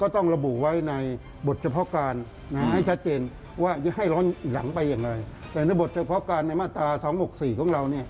แต่ในบทเฉพาะการในมาตรา๒๖๔ของเรา